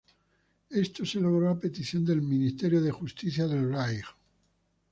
Esto se logró a petición del Ministerio de Justicia del Reich.